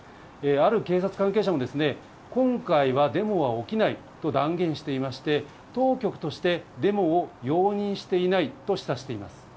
ある警察関係者も、今回はデモは起きないと断言していまして、当局としてデモを容認していないと示唆しています。